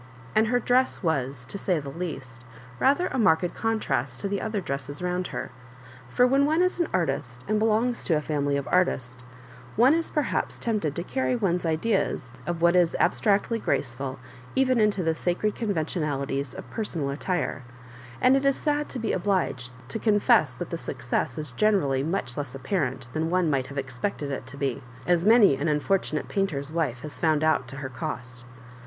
And her dress was, to say the least, rather a marked contrast to the other dresses round her. For when one is an artist, and belongs to a family of artists, one is perhaps tempted to carry one's ideas of what is ab stractly graceful even into the sacred conven tionalities of personal attire; and it is sad to be obhged to confess that the success is gene rally much less apparent than one might have ex pected it to be, as many an unfortunate painter's wife has found out to her cost.